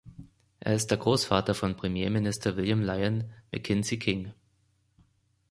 Er ist der Großvater von Premierminister William Lyon Mackenzie King.